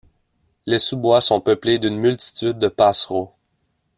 Les sous bois sont peuplés d'une multitude de passereaux.